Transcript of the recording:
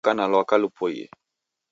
Woka na lwaka lupoie